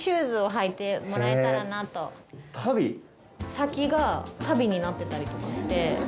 先が足袋になってたりとかして。